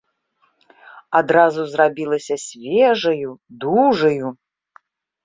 Адразу зрабілася свежаю, дужаю.